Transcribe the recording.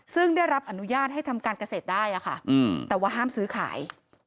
ซึ่งได้รับอนุญาตให้ทำการเกษตรได้ค่ะแต่ว่าห้ามซื้อขาย